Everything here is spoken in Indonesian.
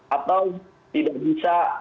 atau tidak bisa diperintahkan